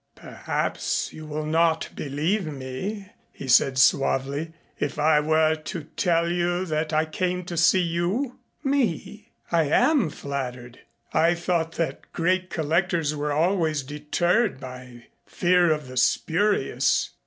"Perhaps you will not believe me," he said suavely, "if I were to tell you that I came to see you." "Me? I am flattered. I thought that great collectors were always deterred by fear of the spurious."